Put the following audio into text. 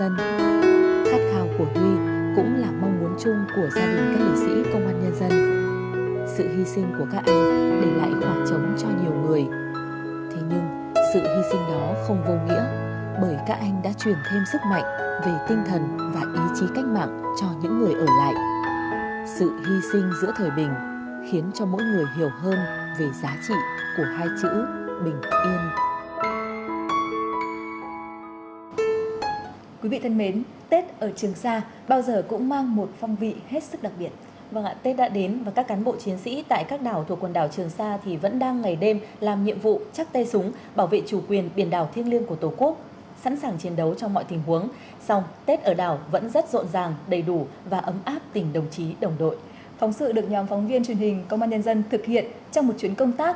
nhóm phóng viên truyền hình công an nhân dân thực hiện trong một chuyến công tác tại trường sa cách đây ít ngày